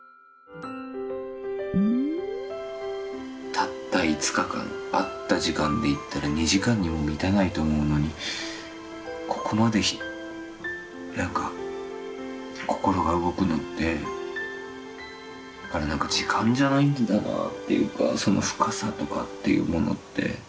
たった５日間会った時間でいったら２時間にも満たないと思うのにここまでなんか心が動くのって時間じゃないんだなぁっていうかその深さとかっていうものって。